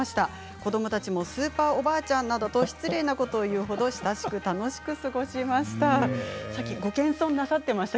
子どもたちもスーパーおばあちゃんなどと失礼なことを言うほど親しく楽しく聞いていました。